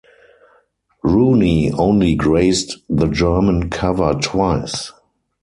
Rooney only graced the German cover twice.